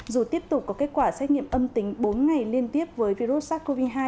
dù tiếp tục có kết quả xét nghiệm âm tính bốn ngày liên tiếp với virus sars cov hai